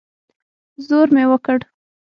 زور مې وکړ.